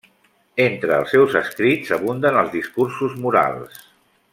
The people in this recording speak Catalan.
Entre els seus escrits abunden els discursos morals.